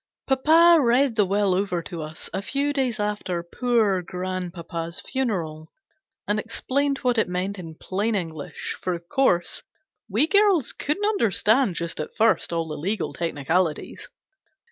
PAPA read the will over to us a few days after poor grandpapa's funeral, and explained what it meant in plain English, for of course we girls couldn't understand just at first all the legal technicalities.